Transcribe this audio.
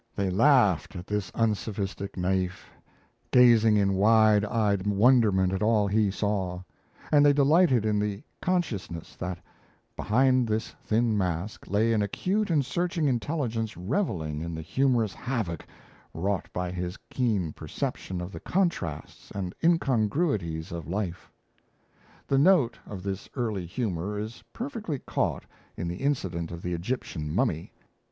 They laughed at this unsophisticated naif, gazing in wide eyed wonderment at all he saw; and they delighted in the consciousness that, behind this thin mask, lay an acute and searching intelligence revelling in the humorous havoc wrought by his keen perception of the contrasts and incongruities of life. The note of this early humour is perfectly caught in the incident of the Egyptian mummy.